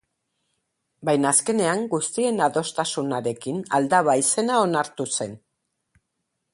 Baina azkenean guztien adostasunarekin Aldaba izena onartu zen.